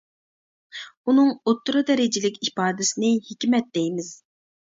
ئۇنىڭ ئوتتۇرا دەرىجىلىك ئىپادىسىنى ھېكمەت دەيمىز.